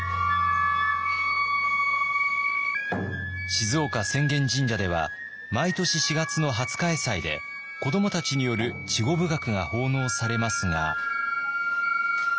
静岡浅間神社では毎年４月の廿日会祭で子どもたちによる稚児舞楽が奉納されますが。